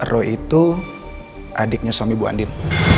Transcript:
roy itu adiknya suami bu andin